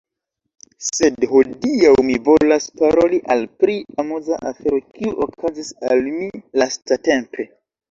Sed hodiaŭ mi volas paroli al pri amuza afero, kiu okazis al mi lastatempe.